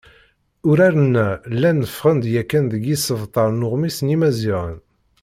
Uraren-a llan ffɣen-d yakan deg yisebtar n Uɣmis n Yimaziɣen.